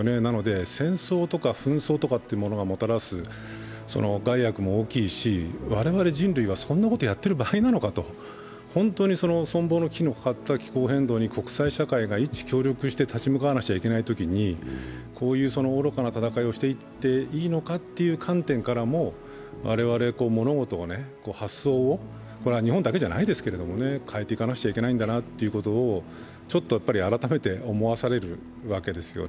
戦争とか紛争がもたらす害悪も大きいし、我々人類はそんなことやってる場合なのかと本当に存亡の危機のかかった気候変動に国際社会が一致協力して立ち向かわなくちゃいけないときにこういう愚かな戦いをしていていいのかという観点からも、我々物事を、発想を、日本だけじゃないですけれども、変えていかなくちゃいけないんだなということを改めて思わされるわけですよね。